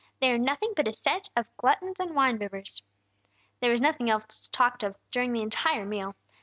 "They are nothing but a set of gluttons and wine bibbers!" There was nothing else talked of during the entire meal.